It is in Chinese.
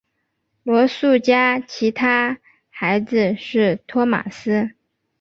罗素家其他孩子是托马斯。